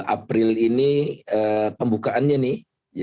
april ini pembukaannya nih